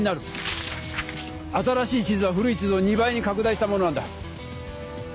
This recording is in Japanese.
新しい地図は古い地図を２倍に拡大したものなんだ。